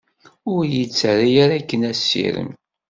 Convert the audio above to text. Ur yi-d-ttarra ara akken asirem.